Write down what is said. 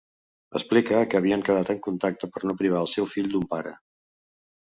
Explica que havien quedat en contacte per a no privar el seu fill d'un pare.